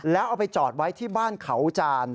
แล้วเอาไปจอดไว้ที่บ้านเขาจาน